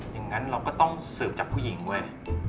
อย่างนั้นเราก็ต้องสืบจากผู้หญิงเว้ย